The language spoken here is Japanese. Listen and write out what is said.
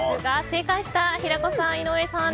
正解した平子さん、井上さん